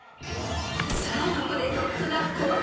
［さあここでトップが交代］